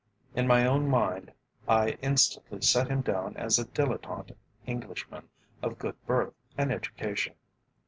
In my own mind I instantly set him down as a dilettante Englishman of good birth and education.